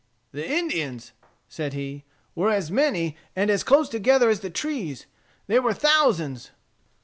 "The Indians," said he, "were as many, and as close together as the trees. There were thousands."